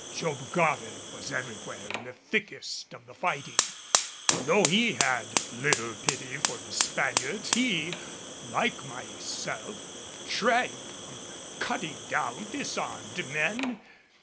Job Goddard was everywhere in the thickest of the fighting. And though he had little pity for the Spaniards, he, like myself, shrank from cutting down disarmed men.